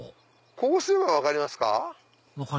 こうすれば分かりますか？